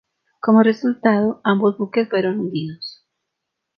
Como resultado, ambos buques fueron hundidos.